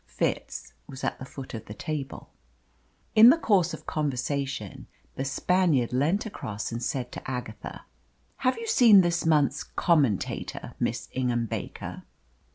Fitz was at the foot of the table. In the course of conversation the Spaniard leant across and said to Agatha "Have you seen this month's Commentator, Miss Ingham Baker?"